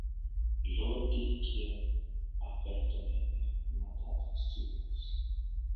Lordi quien aparentemente mata a las chicas.